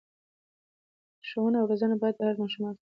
ښوونه او روزنه باید د هر ماشوم حق وي.